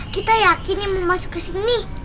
kita yakin mau masuk kesini